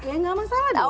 ya gak masalah